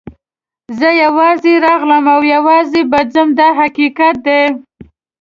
زه یوازې راغلم او یوازې به ځم دا حقیقت دی.